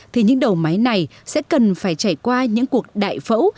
thì những đầu máy này sẽ cần phải trải qua những cuộc đại phẫu